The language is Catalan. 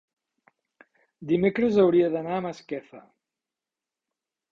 dimecres hauria d'anar a Masquefa.